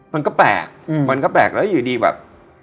มันก็แปลกมันก็แปลกแล้วอยู่ดีแบบ